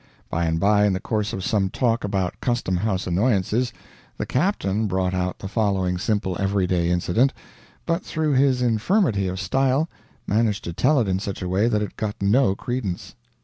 By and by, in the course of some talk about custom house annoyances, the captain brought out the following simple everyday incident, but through his infirmity of style managed to tell it in such a way that it got no credence.